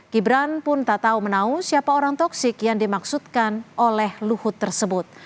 gibran pun tak tahu menau siapa orang toksik yang dimaksudkan oleh luhut tersebut